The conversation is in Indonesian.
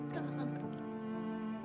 kaka akan pergi